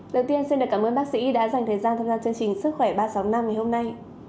đầu tiên xin được cảm ơn bác sĩ đã dành thời gian tham gia chương trình sức khỏe ba trăm sáu mươi năm ngày hôm nay